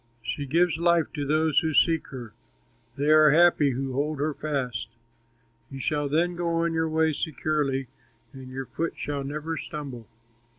She gives life to those who seek her, They are happy who hold her fast. You shall then go on your way securely, And your foot shall never stumble.